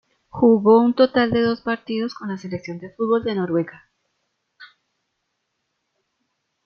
Jugó un total de dos partidos con la selección de fútbol de Noruega.